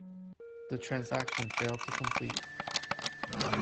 The transaction failed to complete.